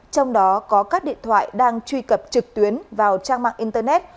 trong đó có các điện thoại đang truy cập trực tuyến vào trang mạng internet